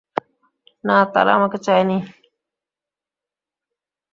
না, তারা আমাকে চায়নি।